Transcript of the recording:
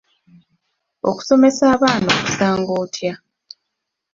Okusomesa abaana okusanga otya?